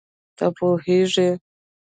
ته پوهېږې